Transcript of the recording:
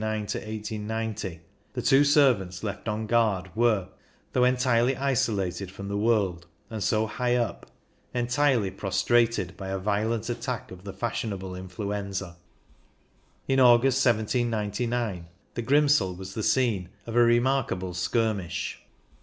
In the winter of 18B9 1890, the two servants left on guard were, though entirely isolated from the world and so high up, entirely prostrated by a violent attack of the fashionable influ enza. In August, 1799, the Grimsel was the scene of a remarkable skirmish.